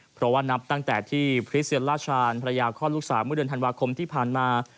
เพราะว่านับตั้งแต่ที่คริสเซียนล่าชาญภรรยาคลอดลูกสาวเมื่อเดือนธันวาคมที่ผ่านมา